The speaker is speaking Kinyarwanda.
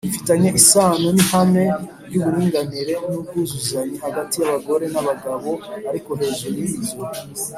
Bifitanye isano n ihame ry uburinganire n ubwuzuzanye hagati y abagore n abagabo ariko hejuru y ibyo